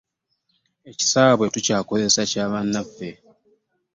Ekisaawe tukyakozesa kya bannaffe.